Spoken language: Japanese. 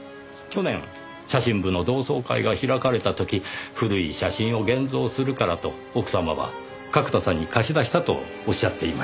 去年写真部の同窓会が開かれた時古い写真を現像するからと奥様は角田さんに貸し出したとおっしゃっていました。